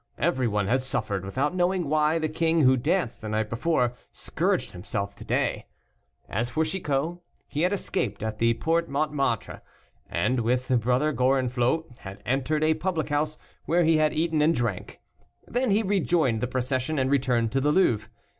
Everyone had suffered, without knowing why the king, who danced the night before, scourged himself to day. As for Chicot, he had escaped at the Porte Montmartre, and, with Brother Gorenflot, had entered a public house, where he had eaten and drank. Then he had rejoined the procession and returned to the Louvre.